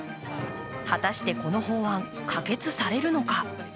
果たしてこの法案、可決されるのか。